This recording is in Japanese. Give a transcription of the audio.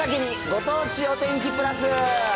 ご当地お天気プラス。